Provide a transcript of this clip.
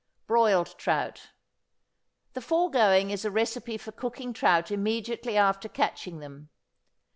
=Broiled Trout.= The foregoing is a recipe for cooking trout immediately after catching them.